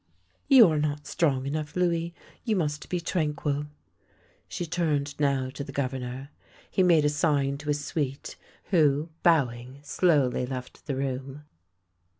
" You are not strong enough, Louis. You must be tranquil." She turned now to the Governor. He made a sign to his suite, who, bowing, slowly left the room.